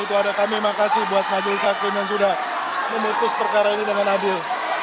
itu ada kami makasih buat majelis hakim yang sudah memutus perkara ini dengan adil